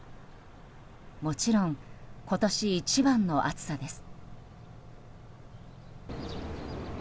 もちろん、今年一番の暑さです。